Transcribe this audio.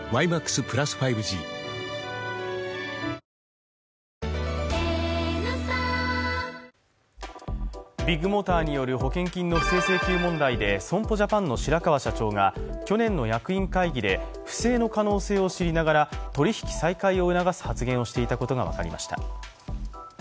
サントリー「金麦」ビッグモーターによる保険金の不正請求問題で損保ジャパンの白川社長が去年の役員会議で不正の可能性を知りながら、取引再開を促す発言をしていたことが分かりました。